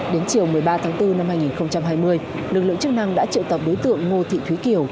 đến chiều một mươi ba tháng bốn năm hai nghìn hai mươi lực lượng chức năng đã triệu tập đối tượng ngô thị thúy kiều